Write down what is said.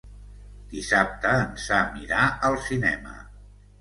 Dissabte en Sam irà al cinema.